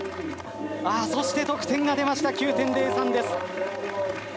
そして得点が出ました、９．０３です。